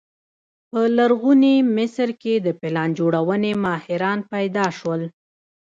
په لرغوني مصر کې د پلان جوړونې ماهران پیدا شول.